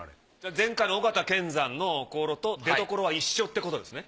前回の尾形乾山の香炉と出どころは一緒ってことですね。